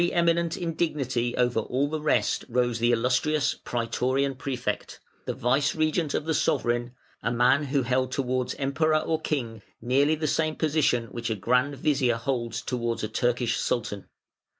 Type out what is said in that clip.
] Pre eminent in dignity over all the rest rose the "Illustrious" Prætorian Prefect, the vicegerent of the sovereign, a man who held towards Emperor or King nearly the same position which a Grand Vizier holds towards a Turkish Sultan.